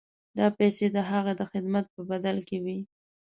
دا پیسې د هغه د خدمت په بدل کې وې.